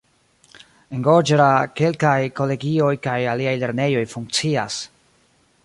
En Goĝra kelkaj kolegioj kaj aliaj lernejoj funkcias.